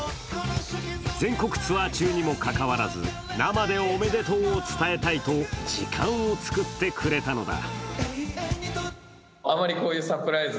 全国ツアー中にもかかわらず、生で「おめでとう」を伝えたいと時間を作ってくれたのだ。